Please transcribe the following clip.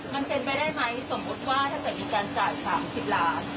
มันเป็นไปได้ไหมสมมุติว่าถ้าเกิดมีการจ่าย๓๐ล้าน